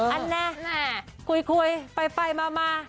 อันนี้คุยไปมา